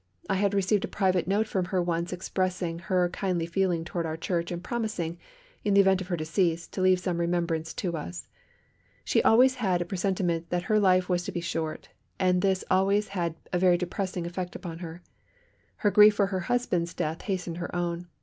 I had received a private note from her once expressing her kindly feeling toward our Church and promising, in the event of her decease, to leave some remembrance to us. She always had a presentiment that her life was to be short, and this always had a very depressing effect upon her. Her grief for her husband's death hastened her own.